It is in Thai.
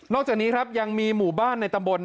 จากนี้ครับยังมีหมู่บ้านในตำบล